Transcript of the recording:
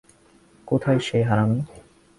কোথায় সেই হারামি?